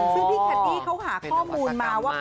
ซึ่งพี่แคนดี้เขาหาข้อมูลมาว่า